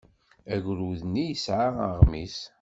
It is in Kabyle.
Agrud-nni yesɛa aɣmis.